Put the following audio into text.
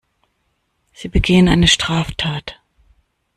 Sie begehen eine Straftat.